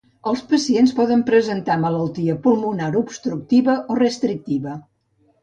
Els pacients poden presentar malaltia pulmonar obstructiva o restrictiva.